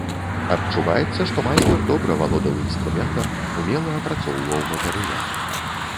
Адчуваецца, што майстар добра валодаў інструментам, умела апрацоўваў матэрыял.